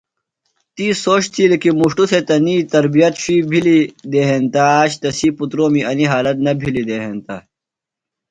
تی سوچ تِھیلیۡ کی مُݜٹوۡ تھےۡ تنیۡ تربیت شُوئی بِھلیۡ دےۡ ہینتہ آج تسی پُترومی انیۡ حالت نہ بِھلیۡ دےۡ ہینتہ۔